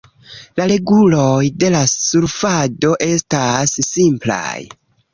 La reguloj de la surfado estas simplaj.